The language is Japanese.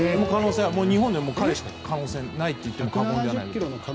日本では彼しか可能性がないといっても過言ではない。